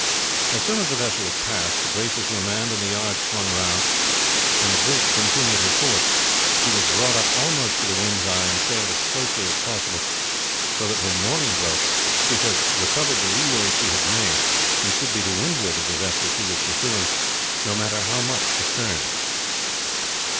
As soon as the vessel had passed, the braces were manned and the yards swung round, and the brig continued her course. She was brought up almost to the wind's eye and sailed as closely as possible, so that when morning broke she should have recovered the leeway she had made and should be to windward of the vessel she was pursuing, no matter how much astern.